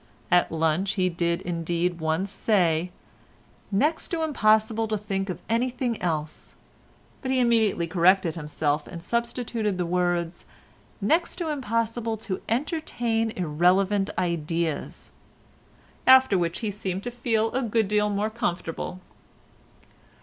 At lunch he did indeed once say, "next to impossible to think of anything else," but he immediately corrected himself and substituted the words, "next to impossible to entertain irrelevant ideas," after which he seemed to feel a good deal more comfortable.